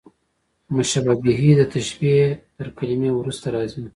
مشبه به، د تشبېه تر کلمې وروسته راځي.